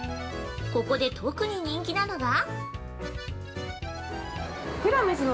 ここで特に人気なのが？